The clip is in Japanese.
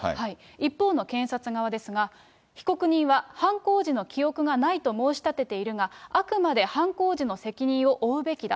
一方の検察側ですが、被告人は犯行時の記憶がないと申し立てているが、あくまで犯行時の責任を負うべきだ。